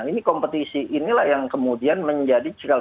ini kompetisi inilah yang kemudian menjadi cikal